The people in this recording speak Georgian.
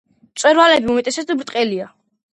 მწვერვალები უმეტესწილად ბრტყელია.